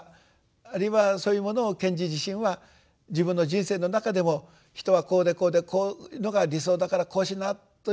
あるいはそういうものを賢治自身は自分の人生の中でも「人はこうでこうでこういうのが理想だからこうしな」ということじゃない。